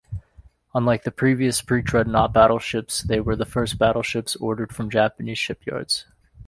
Unlike the previous pre-dreadnought battleships, they were the first battleships ordered from Japanese shipyards.